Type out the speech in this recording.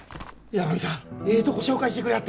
八神さんええとこ紹介してくれはった。